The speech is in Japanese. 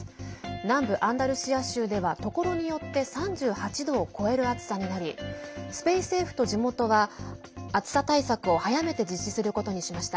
南部アンダルシア州ではところによって３８度を超える暑さになりスペイン政府と地元は暑さ対策を早めて実施することにしました。